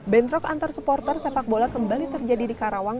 bentrok antar supporter sepak bola kembali terjadi di karawang